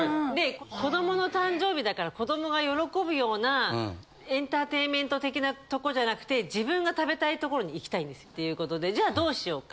子どもの誕生日だから子どもが喜ぶようなエンターテインメント的なとこじゃなくて自分が食べたい所に行きたいんですっていうことでじゃあどうしようかって。